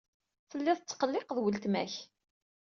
Tellid tettqelliqed weltma-k.